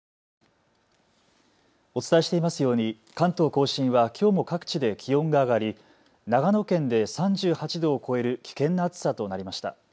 お伝えしていますように関東甲信はきょうも各地で気温が上がり、長野県で３８度を超える危険な暑さとなりました。